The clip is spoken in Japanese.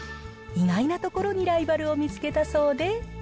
意外なところにライバルを見つけたそうで。